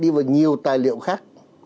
đi vào nhiều tài liệu khác